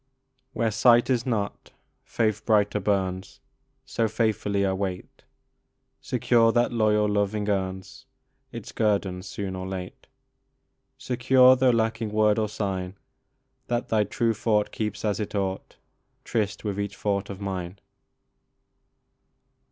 Where sight is not, faith brighter burns ; So faithfully I wait, Secure that loyal loving earns Its guerdon soon or late, Secure, though lacking word or sign, That thy true thought keeps as it ought Tryst with each thought of mine.